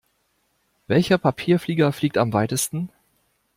Welcher Papierflieger fliegt am weitesten?